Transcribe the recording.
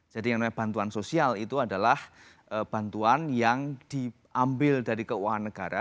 jadi yang namanya bantuan sosial itu adalah bantuan yang diambil dari keuangan negara